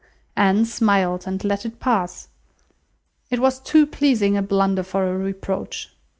Anne smiled, and let it pass. It was too pleasing a blunder for a reproach.